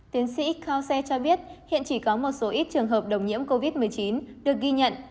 tiến sĩ kao se cho biết hiện chỉ có một số ít trường hợp đồng nhiễm covid một mươi chín được ghi nhận